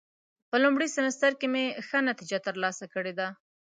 په لومړي سمستر کې مې ښه نتیجه ترلاسه کړې ده.